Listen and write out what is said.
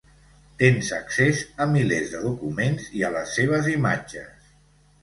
Tens accés a milers de documents i a les seves imatges.